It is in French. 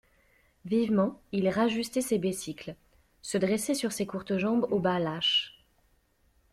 Vivement il rajustait ses besicles, se dressait sur ses courtes jambes aux bas lâches.